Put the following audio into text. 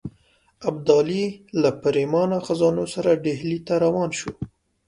ابدالي له پرېمانه خزانو سره ډهلي ته روان شو.